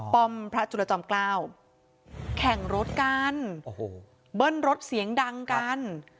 ป้อมพระจุลจอมเกล้าแข่งรถกันโอ้โหเบิ้ลรถเสียงดังกัน